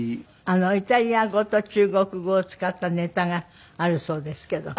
イタリア語と中国語を使ったネタがあるそうですけど。